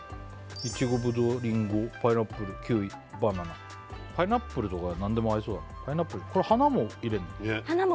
いちごぶどうりんごパイナップルキウイバナナパイナップルとか何でも合いそうだなパイナップルこれ花も入れんの？